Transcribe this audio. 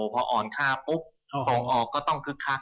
พออ่อนค่าปุ๊บส่งออกก็ต้องคึกคัก